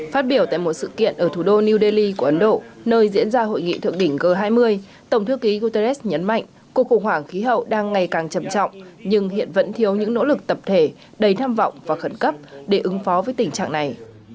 phát biểu tại một sự kiện ở thủ đô new delhi của ấn độ nơi diễn ra hội nghị thượng đỉnh g hai mươi tổng thư ký guterres nhấn mạnh cuộc khủng hoảng khí hậu đang ngày càng trầm trọng nhưng hiện vẫn thiếu những nỗ lực tập thể đầy tham vọng và khẩn cấp để ứng phó với tình trạng này